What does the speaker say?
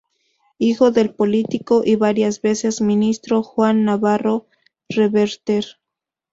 Hijo del político y varias veces ministro Juan Navarro Reverter.